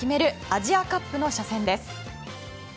アジアカップの初戦です。